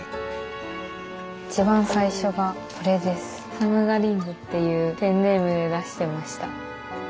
「さむがりんご」っていうペンネームで出してました。